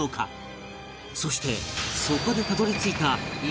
そしてそこでたどり着いたはーい！